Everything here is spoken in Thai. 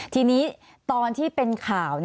ทีนี้ตอนที่เป็นข่าว